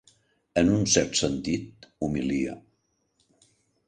En un cert sentit, humilia.